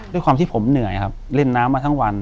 อยู่ที่แม่ศรีวิรัยิลครับ